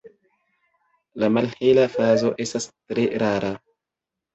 La malhela fazo estas tre rara.